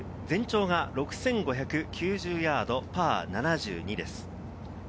全長が６５９０ヤード、パー７２です。